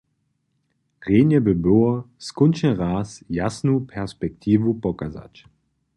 Rjenje by było, skónčnje raz jasnu perspektiwu pokazać.